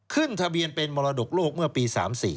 ขึ้นทะเบียนเป็นมรดกโลกเมื่อปี๓๔